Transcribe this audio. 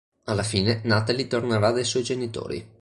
Alla fine Natalie tornerà dai suoi genitori.